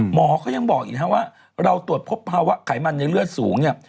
หมอเขายังบอกอีกนะครับว่าเราตรวจพบภาวะไขมันในเลือดสูงเนี่ย